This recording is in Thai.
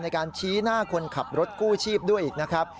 ในการชี้หน้าคนขับรถกู้ชีพด้วยอีกนะครับ